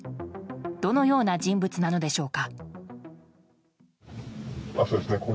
どのような人物なのでしょうか。